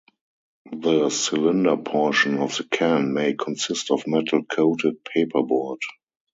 The cylinder portion of the can may consist of metal-coated paperboard.